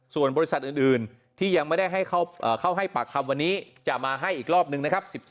ส่วนบริษัทอื่นที่ยังไม่ได้ให้เข้าให้ปากคำวันนี้จะมาให้อีกรอบนึงนะครับ